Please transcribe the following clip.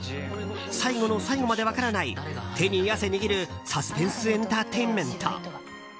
最後の最後まで分からない手に汗握るサスペンスエンターテインメント。